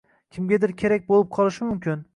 Kimgadir kerak bo’lib qolishi mumkin